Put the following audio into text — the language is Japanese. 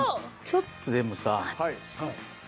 ちょっとでもさ。